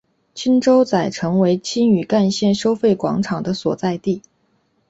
青洲仔成为青屿干线收费广场的所在地。